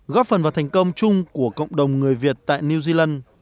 góp phần vào thành công chung của cộng đồng người việt tại new zealand